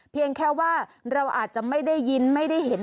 เพียงแค่ว่าเราอาจจะไม่ได้ยินไม่ได้เห็น